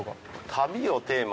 旅をテーマ。